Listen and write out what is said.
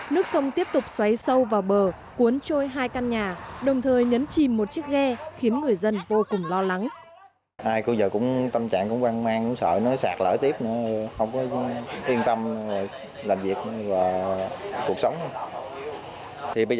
nước sông tiếp tục xoáy sâu vào bờ cuốn trôi hai căn nhà đồng thời nhấn chìm một chiếc ghe